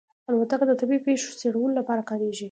الوتکه د طبیعي پېښو څېړلو لپاره کارېږي.